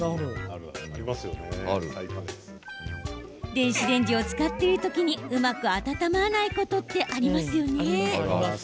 電子レンジを使っている時にうまく温まらないことってありますよね？